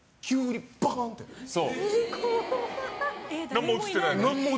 何も映ってない。